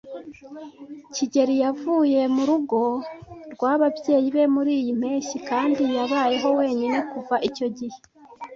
kigeli yavuye mu rugo rwababyeyi be muriyi mpeshyi kandi yabayeho wenyine kuva icyo gihe.